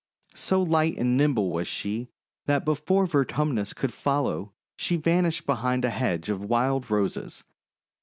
So light and nimble was she that before Ver tumnus could follow she vanished behind a hedge of Wild Roses.